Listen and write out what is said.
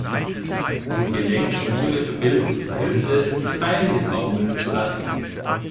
Um Gelenkschmiere zu bilden, hilft es, die Beine baumeln zu lassen.